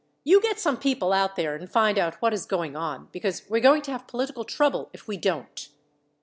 You get some people out there and find out what is going on because we are going to have political trouble if we don't.